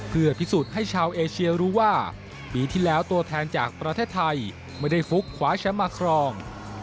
เพื่อพิสูจน์ให้ชาวเอเชียรู้ว่าปีที่แล้วตัวแทนจากประเทศไทยไม่ได้ฟุกคว้าแชมป์มาครอง